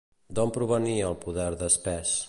D'on provenia el poder de Spes?